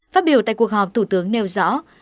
phát biểu tại cuộc họp thủ tướng nêu rõ